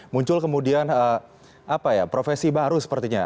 muncul kemudian profesi baru sepertinya